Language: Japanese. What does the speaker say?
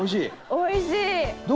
おいしい！